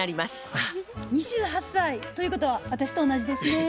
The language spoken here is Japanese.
あっ２８歳。ということは私と同じですねぇ。